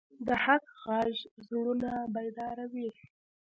د حق غږ زړونه بیداروي